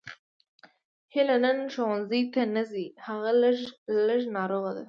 هیله نن ښوونځي ته نه ځي هغه لږه ناروغه ده